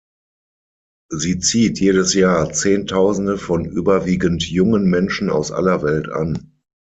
Sie zieht jedes Jahr zehntausende von überwiegend jungen Menschen aus aller Welt an.